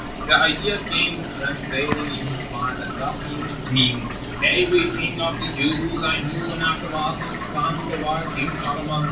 The idea gained strength daily in his mind and thus he mused: "David, king of the Jews, I knew, and afterward his son, the wise King Solomon.